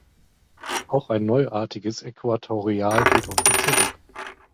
Auch ein neuartiges Äquatorial geht auf ihn zurück.